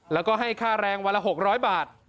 แล้วก็ให้ค่าแรงวันละ๖๐๐บาท